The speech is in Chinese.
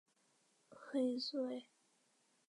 何以速为。